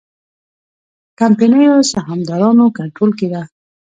کمپنیو سهامدارانو کنټرول کې ده.